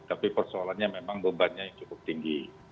tapi persoalannya memang bebannya yang cukup tinggi